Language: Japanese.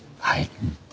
はい。